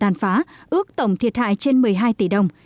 tàn phá ước tổng thiệt hại trên một mươi hai tỷ đồng